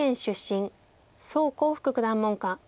宋光復九段門下。